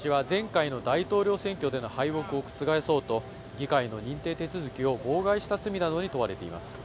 トランプ氏は前回の大統領選挙での敗北を覆そうと議会の認定手続きを妨害した罪などに問われています。